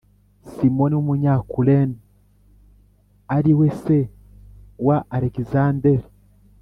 Simoni w umunyakurene ari we se wa alekizanderi